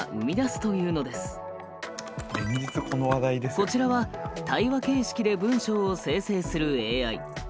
こちらは対話形式で文章を生成するＡＩ。